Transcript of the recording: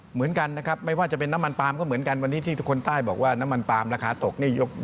เหมือนกันนะครับไม่ว่าจะเป็นน้ำมันปลามก็เหมือนกันวันนี้ที่ทุกคนใต้บอกว่าน้ำมันปลามราคาตกนี่